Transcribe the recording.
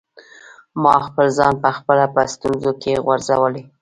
ما خپل ځان په خپله په ستونزو کي غورځولی.